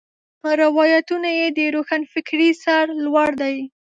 پر روایتونو یې د روښنفکرۍ سر لوړ دی.